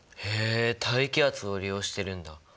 へえ大気圧を利用してるんだ。